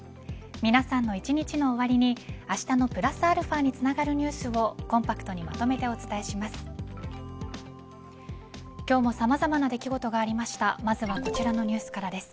皆さんの一日の終わりにあしたのプラスαにつながるニュースをコンパクトにまとめてお伝えします。